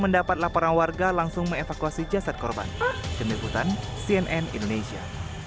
melaporkan warga langsung mevakuasi jasad korban kemimputan cnn indonesia